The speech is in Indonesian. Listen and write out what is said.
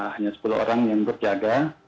hanya sepuluh orang yang berjaga